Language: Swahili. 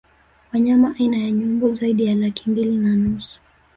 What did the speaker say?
Wanyama aina ya Nyumbu zaidi ya laki mbili na nusu